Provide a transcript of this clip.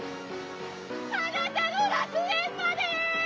あなたの楽園まで！」。